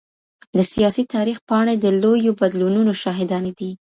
د سياسي تاريخ پاڼي د لويو بدلونونو شاهداني دي.